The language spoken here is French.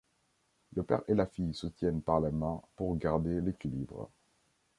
Le père et la fille se tiennent par les mains pour garder l'équilibre.